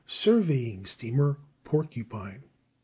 surveying steamer Porcupine.